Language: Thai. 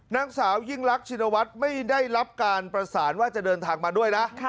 นางสาวยิ่งรักชินวัฒน์ไม่ได้รับการประสานว่าจะเดินทางมาด้วยนะ